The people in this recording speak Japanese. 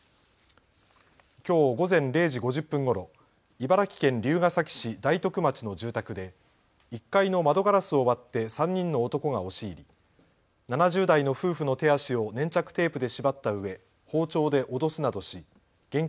きょう午前０時５０分ごろ、茨城県龍ケ崎市大徳町の住宅で１階の窓ガラスを割って３人の男が押し入り７０代の夫婦の手足を粘着テープで縛ったうえ包丁で脅すなどし現金